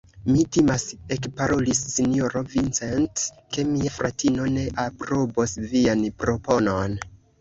Mi timas, ekparolis sinjoro Vincent, ke mia fratino ne aprobos vian proponon.